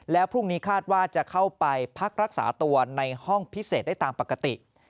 แล้วพรุ่งนี้คาดว่าจะเข้าไปพักรักษาตัวในห้องพิเศษได้ตามปกติ